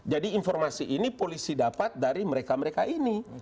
informasi ini polisi dapat dari mereka mereka ini